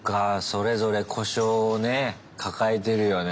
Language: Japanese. それぞれ故障をね抱えてるよね。